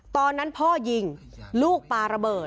ตอนนั้นพ่อยิงลูกปลาระเบิด